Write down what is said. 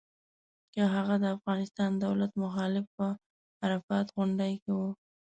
که هغه د افغانستان دولت مخالف په عرفات غونډۍ کې و.